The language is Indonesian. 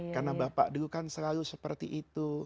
karena bapak dulu kan selalu seperti itu